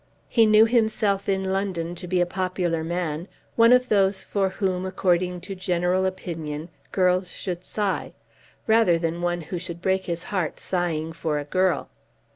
He knew himself in London to be a popular man, one of those for whom, according to general opinion, girls should sigh, rather than one who should break his heart sighing for a girl.